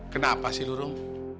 kenapa sih nurung